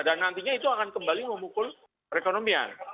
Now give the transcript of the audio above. dan nantinya itu akan kembali memukul perekonomian